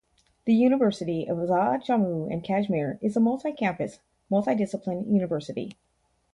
The University of Azad Jammu and Kashmir is a multi-campus, multi-discipline university.